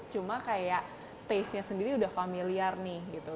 cuma kayak tastenya sendiri udah familiar nih gitu